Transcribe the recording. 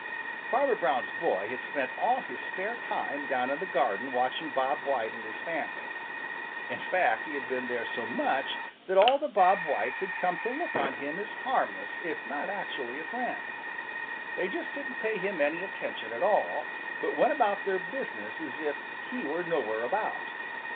Farmer Brown's boy had spent all his spare time down in the garden watching Bob White and his family. In fact, he had been there so much that all the Bob Whites had come to look on him as harmless if not actually a friend. They just didn't pay him any attention at all, but went about their business as if he were nowhere about.